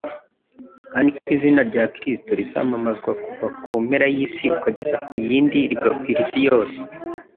kandi ko izina rya Kristo rizamamazwa kuva ku mpera y'isi ukageza mu yindi rigakwira isi yose